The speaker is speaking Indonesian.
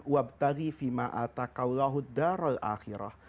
wabtaghi fima'atakaulahu darul akhirah